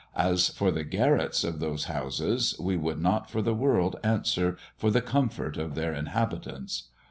As for the garrets of those houses, we would not for the world answer for the comfort of their inhabitants.